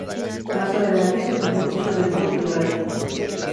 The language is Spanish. Más adelante se produjo su debut en radio.